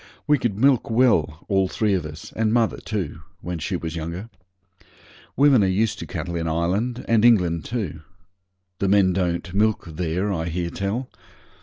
We could milk well, all three of us, and mother too, when she was younger. Women are used to cattle in Ireland, and England too. The men don't milk there, I hear tell.